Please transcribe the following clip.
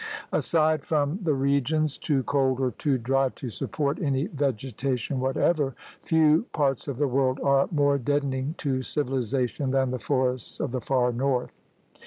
Aside from the regions too cold or too dry to support any vegetation what ever, few parts of the world are more deadening to civilization than the forests of the far north.